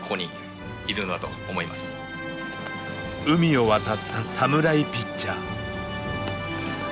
海を渡った侍ピッチャー。